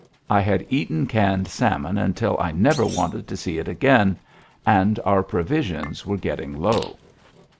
I had eaten canned salmon until I never wanted to see it again. And our provisions were getting low.